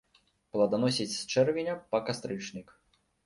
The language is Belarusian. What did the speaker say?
Пладаносіць з чэрвеня па кастрычнік.